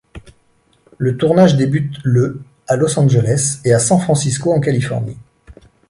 Le tournage débute le à Los Angeles et à San Francisco en Californie.